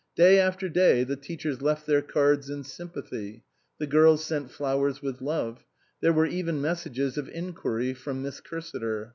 Day after day the teachers left their cards and sympathy ; the girls sent flowers with love ; there were even messages of inquiry from Miss Cursiter.